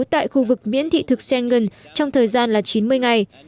tại khu vực miễn thị thực schengen trong thời gian là chín mươi ngày